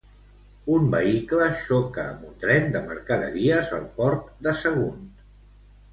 Un vehicle xoca amb un tren de mercaderies al Port de Sagunt.